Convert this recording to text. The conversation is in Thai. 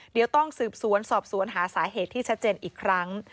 เดี๋ยวต้องสืบสวนสอบสวนหาสาเหตุที่ชัดเจนอีกครั้ง